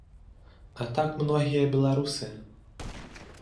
А так многія беларусы.